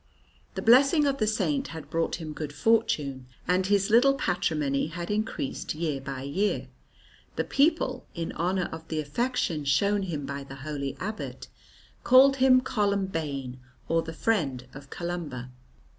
The blessing of the Saint had brought him good fortune, and his little patrimony had increased year by year. The people, in honour of the affection shown him by the holy abbot, called him "Columbain" or "the friend of Columba."